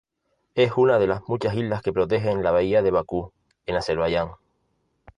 Es una de las muchas islas que protegen la bahía de Bakú, en Azerbaiyán.